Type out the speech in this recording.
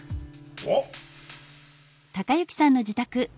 おっ。